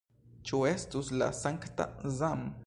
Ĉu estus la sankta Zam?